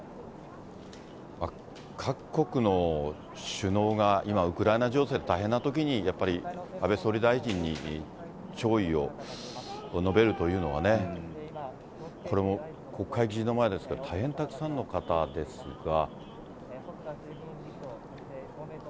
各国の首脳が今、ウクライナ情勢で大変なときに、やっぱり安倍総理大臣に弔意を述べるというのはね、これも国会議事堂前ですけど、大変たくさんの方ですが。